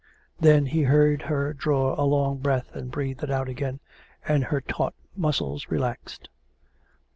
Then he heard her draw a long breath and breathe it out again^ and her taut muscles relaxed.